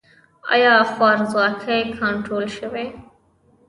آیا خوارځواکي کنټرول شوې؟